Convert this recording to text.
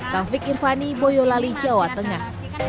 taufik irvani boyolali jawa tengah